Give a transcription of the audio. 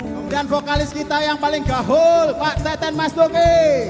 kemudian vokalis kita yang paling gaul pak teten mas duki